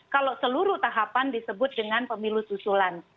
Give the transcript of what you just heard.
kalau seluruh tahapan disebut dengan pemilu susulan